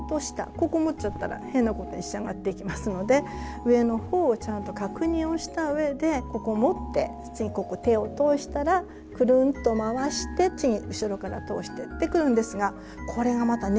ここ持っちゃったら変なことに仕上がっていきますので上のほうをちゃんと確認をした上でここを持って次ここ手を通したらくるんと回して次後ろから通してくるんですがこれがまたねじれるんですよね